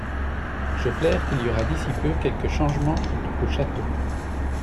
Je flaire qu'il y aura d'ici peu quelque changement au Château.